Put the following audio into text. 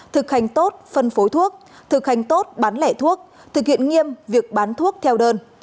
thực hành tốt phân phối thuốc thực hành tốt bán lẻ thuốc thực hiện nghiêm việc bán thuốc theo đơn